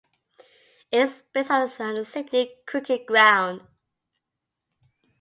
It is based at the Sydney Cricket Ground.